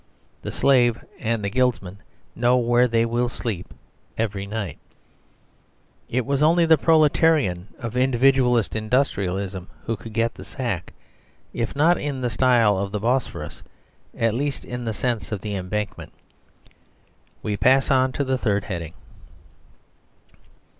The slave and the guildsman know where they will sleep every night; it was only the proletarian of individualist industrialism who could get the sack, if not in the style of the Bosphorus, at least in the sense of the Embankment. We pass to the third heading.